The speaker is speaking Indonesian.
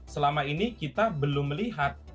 selama ini kita belum melihat